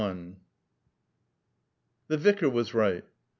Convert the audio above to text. XLI The Vicar was right.